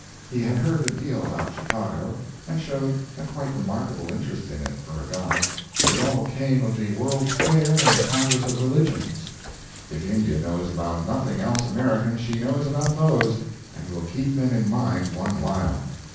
He had heard a deal about Chicago, and showed a quite remarkable interest in it, for a god. It all came of the World's Fair and the Congress of Religions. If India knows about nothing else American, she knows about those, and will keep them in mind one while.